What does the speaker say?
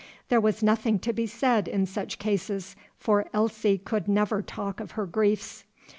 There was nothing to be said in such cases, for Elsie could never talk of her griefs.